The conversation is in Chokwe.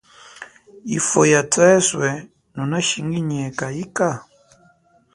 Ifwo ya tweswe, nunashinginyeka ika?